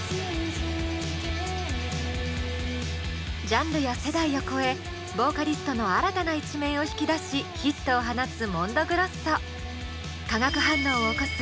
ジャンルや世代を超えボーカリストの新たな一面を引き出しヒットを放つＭＯＮＤＯＧＲＯＳＳＯ。